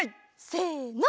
せの。